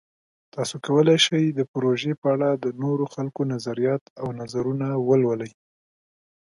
تاسو کولی شئ د پروژې په اړه د نورو خلکو نظریات او نظرونه ولولئ.